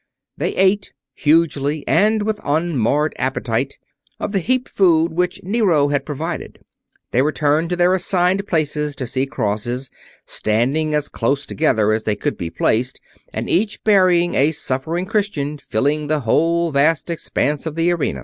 They ate, hugely and with unmarred appetite, of the heaped food which Nero had provided. They returned to their assigned places to see crosses, standing as close together as they could be placed and each bearing a suffering Christian, filling the whole vast expanse of the arena.